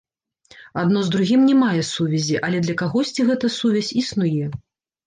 Адно з другім не мае сувязі, але для кагосьці гэта сувязь існуе.